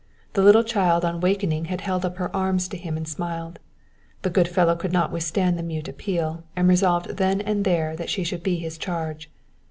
The little child on wakening had held up her arms to him and smiled. The good fellow could not withstand the mute appeal, and resolved then and there that she should be his charge.